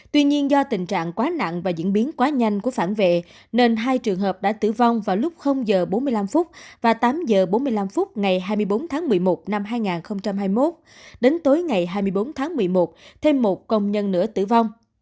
tuy nhiên do tình trạng quá nặng và diễn biến quá nhanh của phản vệ nên hai trường hợp đã tử vong vào lúc h bốn mươi năm và tám h bốn mươi năm phút ngày hai mươi bốn tháng một mươi một năm hai nghìn hai mươi một đến tối ngày hai mươi bốn tháng một mươi một thêm một công nhân nữa tử vong